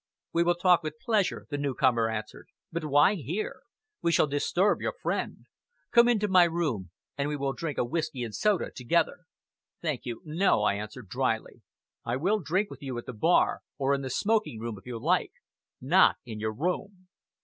"We will talk with pleasure," the newcomer answered, "but why here? We shall disturb our friend. Come into my room, and we will drink a whisky and soda together." "Thank you, no!" I answered dryly. "I will drink with you at the bar, or in the smoking room if you like not in your room."